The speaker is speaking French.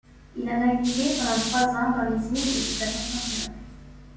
Il a navigué pendant trois ans dans les îles et jusqu'à Constantinople.